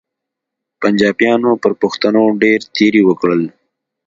پنچاپیانو پر پښتنو ډېر تېري وکړل.